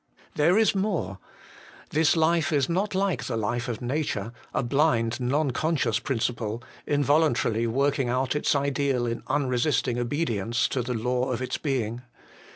There is more. This life is not like the life of nature, a blind, non conscious principle, involuntarily working out its ideal in unresisting obedience to the law of its being.